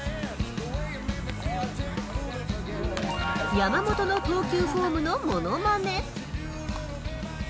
山本の投球フォームのものまね。